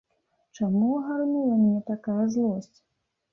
Чаму агарнула мяне такая злосць?